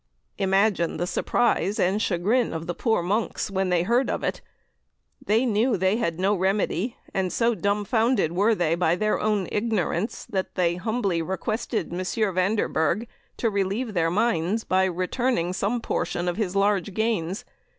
Imagine the surprise and chagrin of the poor monks when they heard of it! They knew they had no remedy, and so dumbfounded were they by their own ignorance, that they humbly requested M. Vanderberg to relieve their minds by returning some portion of his large gains.